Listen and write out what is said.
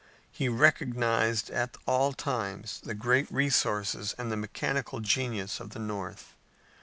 He recognized at all times the great resources and the mechanical genius of the North.